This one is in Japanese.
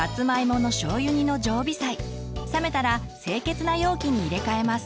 冷めたら清潔な容器に入れ替えます。